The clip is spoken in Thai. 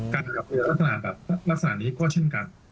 การรับเรือแบบรักษณะนี้ก็เช่นกัน